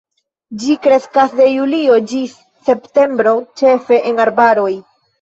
Ĝi kreskas de julio ĝis septembro, ĉefe en arbaroj.